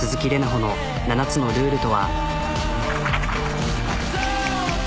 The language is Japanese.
穂の７つのルールとは。